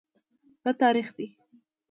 دا تریخ دی